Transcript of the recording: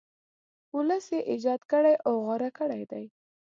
ولس یې ایجاد کړی او غوره کړی دی.